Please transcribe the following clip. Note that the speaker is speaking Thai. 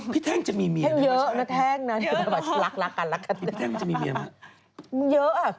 พี่แท่งจะมีเมียแม่งหรือเปล่าใช่ไหมพี่แท่งจะมีเมียแม่งหรือเปล่าใช่ไหม